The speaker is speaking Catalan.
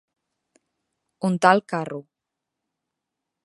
Untar el carro.